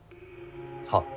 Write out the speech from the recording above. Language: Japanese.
はっ。